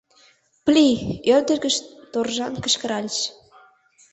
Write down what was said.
— Пли! — ӧрдыж гыч торжан кычкыральыч.